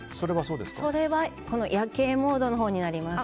それは夜景モードのほうになります。